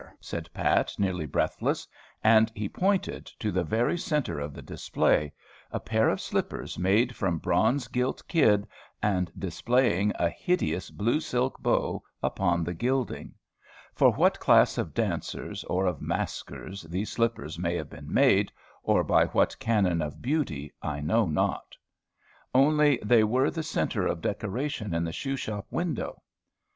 said Pat, nearly breathless. And he pointed to the very centre of the display, a pair of slippers made from bronze gilt kid, and displaying a hideous blue silk bow upon the gilding. For what class of dancers or of maskers these slippers may have been made, or by what canon of beauty, I know not. Only they were the centre of decoration in the shoe shop window.